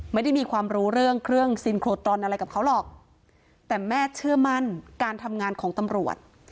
ไม่ได้มีความรู้เรื่องเครื่องซินโครตรอนอะไรกับเขาหรอกแต่แม่เชื่อมั่นการทำงานของตำรวจ